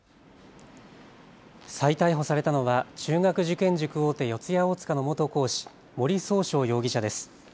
再逮捕されたのは中学受験塾大手、四谷大塚の元講師、森崇翔容疑者です。